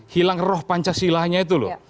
hilang roh pancasila nya itu loh